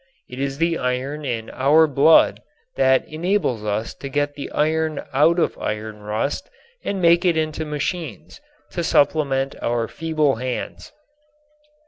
It is the iron in our blood that enables us to get the iron out of iron rust and make it into machines to supplement our feeble hands.